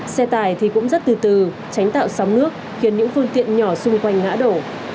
xe tải thì cũng rất từ từ tránh tạo sóng nước khiến những phương tiện nhỏ xung quanh ngã đổ